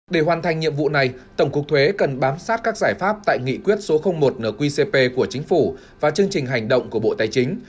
để hoàn thành nhiệm vụ này tổng cục thuế cần bám sát các giải pháp tại nghị quyết số một nqcp của chính phủ và chương trình hành động của bộ tài chính